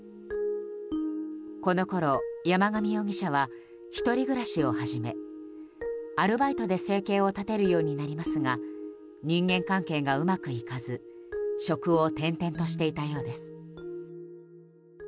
このころ、山上容疑者は１人暮らしを始めアルバイトで生計を立てるようになりますが人間関係がうまくいかず職を転々としていたようです。